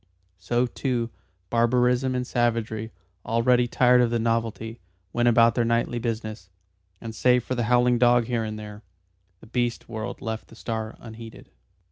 So, too, barbarism and savagery, already tired of the novelty, went about their nightly business, and save for a howling dog here and there, the beast world left the star unheeded.